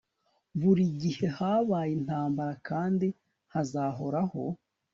buri gihe habaye intambara kandi hazahoraho